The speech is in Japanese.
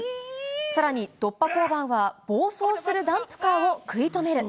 さらに、突破交番は、暴走するダンプカーを食い止める。